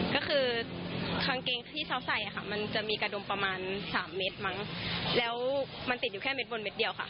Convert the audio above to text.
ก็คือกางเกงที่เขาใส่อ่ะค่ะมันจะมีกระดมประมาณสามเม็ดมั้งแล้วมันติดอยู่แค่เด็ดบนเม็ดเดียวค่ะ